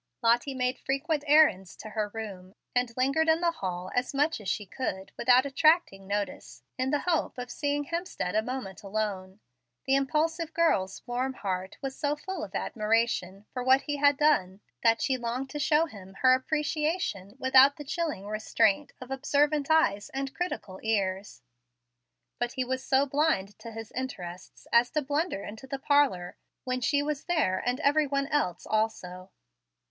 Lottie made frequent errands to her room, and lingered in the hall as much as she could without attracting notice, in the hope of seeing Hemstead a moment alone. The impulsive girl's warm heart was so full of admiration for what he had done that she longed to show him her appreciation without the chilling restraint of observant eyes and critical ears. But he was so blind to his interests as to blunder into the parlor when she was there and every one else also.